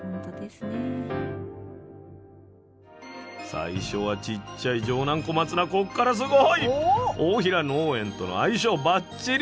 スタジオ最初はちっちゃい城南小松菜こっからすごい！大平農園との相性ばっちり。